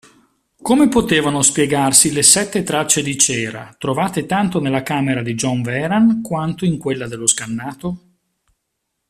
Come potevano spiegarsi le sette tracce di cera, trovate tanto nella camera di John Vehrehan quanto in quella dello scannato?